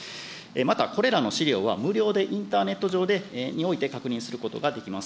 またこれらの資料は無料でインターネット上において確認することができます。